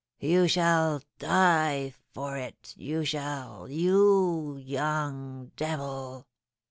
you shall die for it you shall you young devil!'